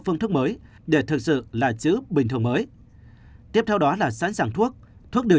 phương thức mới để thực sự là chữ bình thường mới tiếp theo đó là sẵn sàng thuốc thuốc điều